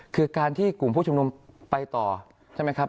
คือการที่กลุ่มผู้ชุมนุมไปต่อใช่ไหมครับ